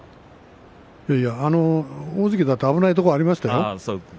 大関だって危ないところありましたよ。